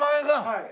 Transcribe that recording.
はい。